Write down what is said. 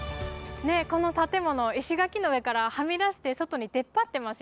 この建物石垣の上からはみ出して外に出っ張ってますよね。